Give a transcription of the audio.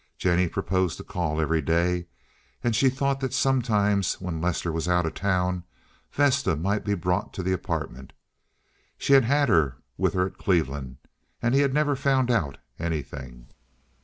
Jennie proposed to call every day, and she thought that sometimes, when Lester was out of town, Vesta might be brought to the apartment. She had had her with her at Cleveland, and he had never found out anything.